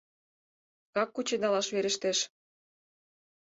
Шкак кучедалаш верештеш.